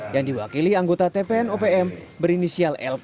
yang diwakili anggota tpn opm berinisial lp